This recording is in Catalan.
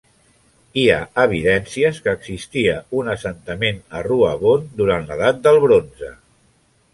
Hi ha evidències que existia un assentament a Ruabon durant l'edat del bronze.